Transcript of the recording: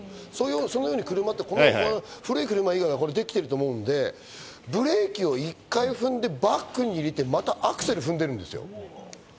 そのように車って古い車以外はできてると思うんで、ブレーキを１回踏んでバックに入れて、またアクセル踏んでるんですよ。